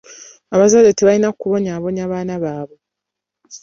Abazadde tebalina kubonyaabonya baana baabwe.